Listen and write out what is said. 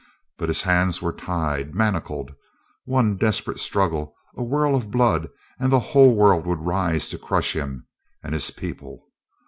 But his hands were tied manacled. One desperate struggle, a whirl of blood, and the whole world would rise to crush him and his people.